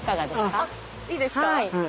いいですか？